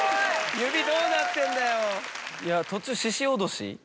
指どうなってんだよ。